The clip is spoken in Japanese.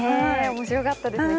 面白かったですね